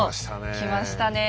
きましたねえ。